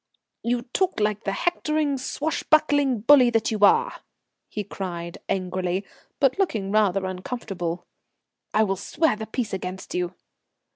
"You talk like the hectoring, swashbuckling bully that you are," he cried angrily, but looking rather uncomfortable.... "I will swear the peace against you."